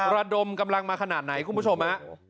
ระดมกำลังมาขนาดไหนคุณผู้ชมฮะ